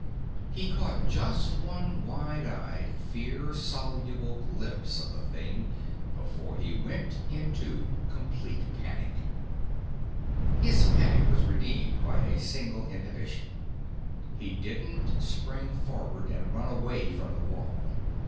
He caught just one wide eyed, fear soluble glimpse of the thing before he went into complete panic. His panic was redeemed by a single inhibition: he didn't spring forward and run away from the wall.